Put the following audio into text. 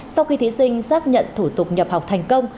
sau khi thí sinh xác nhận thủ tục nhập học thành công